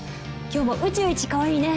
今日も宇宙一かわいいね！